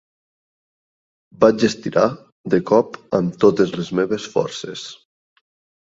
Vaig estirar, de cop, amb totes les meves forces.